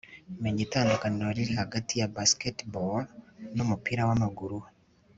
menya itandukaniro riri hagati ya basketball numupira wamaguru